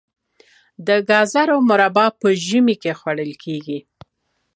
د ګازرو مربا په ژمي کې خوړل کیږي.